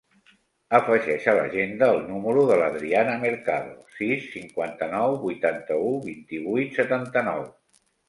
Afegeix a l'agenda el número de l'Adriana Mercado: sis, cinquanta-nou, vuitanta-u, vint-i-vuit, setanta-nou.